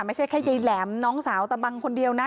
ไม่ใช่แค่ยายแหลมน้องสาวตะบังคนเดียวนะ